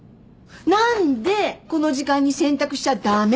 何でこの時間に洗濯しちゃ駄目なの？